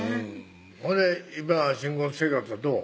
ほんで今は新婚生活はどう？